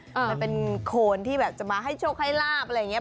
มันเป็นโคนที่แบบจะมาให้โชคให้ลาบอะไรอย่างนี้